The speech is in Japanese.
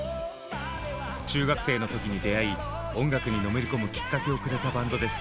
中学生の時に出会い音楽にのめり込むきっかけをくれたバンドです。